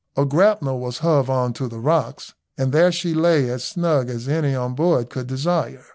A grapnel was hove on to the rocks, and there she lay as snug as any on board could desire.